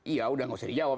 iya udah nggak usah dijawab